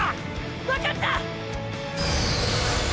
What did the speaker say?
わかった！！